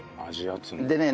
でね